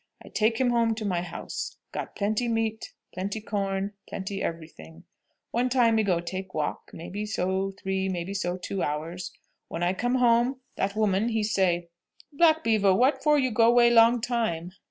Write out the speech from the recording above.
I take him home to my house got plenty meat plenty corn plenty every thing. One time me go take walk, maybe so three, maybe so two hours. When I come home, that woman he say, 'Black Beaver, what for you go way long time?'